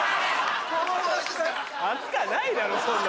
熱かないだろそんな。